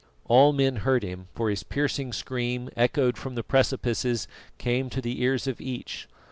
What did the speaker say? All men heard him, for his piercing scream, echoed from the precipices, came to the ears of each.